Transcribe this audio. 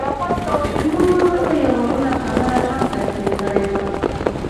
ما هغه ته يوه بله خبره هم تلقين کړې وه.